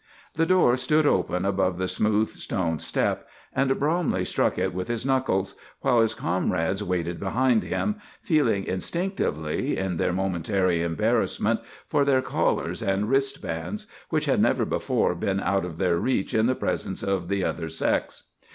The door stood open above the smooth stone step, and Bromley struck it with his knuckles, while his comrades waited behind him, feeling instinctively, in their momentary embarrassment, for their collars and wristbands, which had never before been out of their reach in the presence of the other sex.